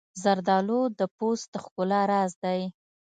زردالو د پوست د ښکلا راز دی.